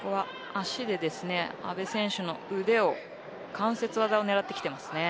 足で阿部選手の腕を関節技を狙っています。